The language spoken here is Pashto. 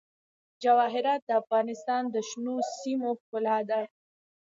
جواهرات د افغانستان د شنو سیمو ښکلا ده.